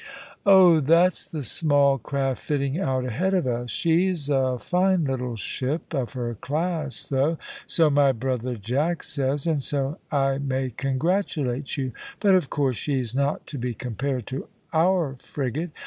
"Oh, that's the small craft fitting out ahead of us. She's a fine little ship of her class though, so my brother Jack says, and so I may congratulate you, but of course she's not to be compared to our frigate.